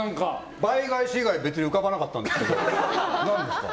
倍返し以外別に浮かばなかったんですけど何ですか？